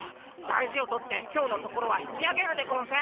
大事を取って今日のところは引きあげるでゴンス。